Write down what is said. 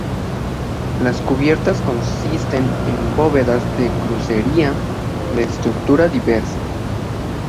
Las cubiertas consisten en bóvedas de crucería de estructura diversa.